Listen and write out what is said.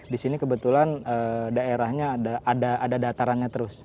di sini kebetulan daerahnya ada datarannya terus